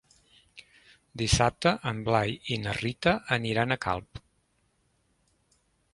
Dissabte en Blai i na Rita aniran a Calp.